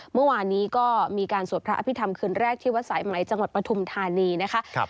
เมื่อวานนี้ก็มีการสวดพระอภิษฐรรมคืนแรกที่วัดสายไหมจังหวัดปฐุมธานีนะคะ